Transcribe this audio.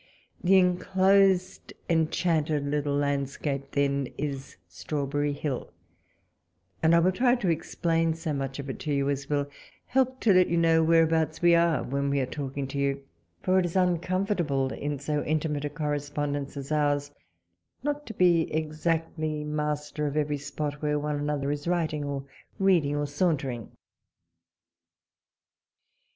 The enclosed enchanted little land scape, then, is Strawberry Hill ; and I will try to explain so much of it to you as will help to let you know whereabouts we are when we are talking to you ; for it is uncomfortable in so intimate a correspondence as ours not to be walpole's letters. 63 exactly master of every spot where one another is writing, or reading, or sauntering.